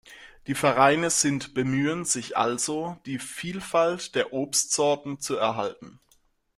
Die Vereine sind bemühen sich also, die Vielfalt der Obstsorten zu erhalten.